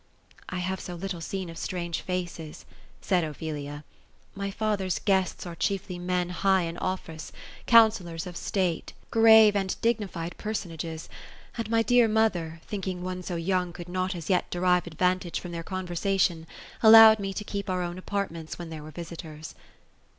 " I have so little seen of strange faces ;" said Ophelia. " My father's guests are chiefly men high in office, counsellors of state, grave and dig 234 OPHELIA ] nified personages ; and my dear mother, thinking one so young could not as yet derive advantage from their conversation, allowed me to keep our own apartments, when there were visitors."